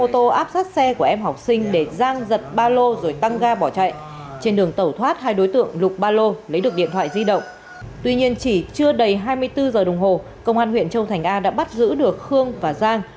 trước hai mươi bốn h đồng hồ công an huyện châu thành a đã bắt giữ được khương và giang